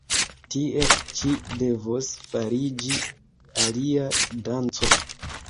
Tie ĉi devos fariĝi alia danco!